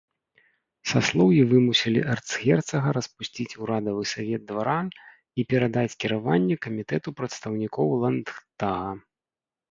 Саслоўі вымусілі эрцгерцага распусціць урадавы савет дваран і перадаць кіраванне камітэту прадстаўнікоў ландтага.